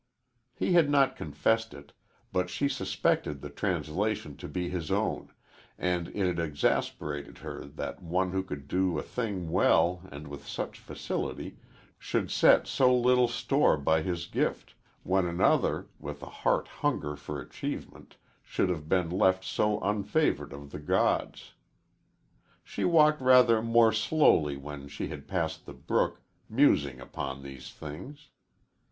He had not confessed it, but she suspected the translation to be his own, and it had exasperated her that one who could do a thing well and with such facility should set so little store by his gift, when another, with a heart hunger for achievement, should have been left so unfavored of the gods. She walked rather more slowly when she had passed the brook musing upon these things.